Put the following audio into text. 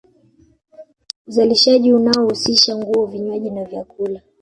Uzalishaji unaohusisha nguo vinywaji na vyakula